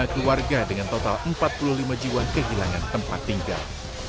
dua puluh lima keluarga dengan total empat puluh lima jiwa kehilangan tempat tinggal